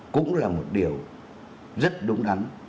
cũng là một điều rất đúng đắn